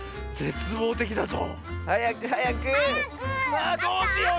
あどうしよう！